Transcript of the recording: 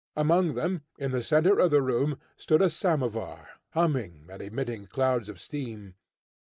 Among them, in the centre of the room, stood a samovar, humming and emitting clouds of steam.